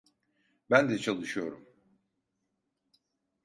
Ben de çalışıyorum.